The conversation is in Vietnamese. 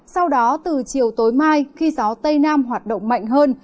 sau đó từ chiều tối mai khi gió tây nam hoạt động mạnh hơn